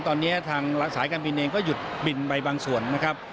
ตอนนี้ทางสายการบินเองก็หยุดบินไปบางส่วนนะครับ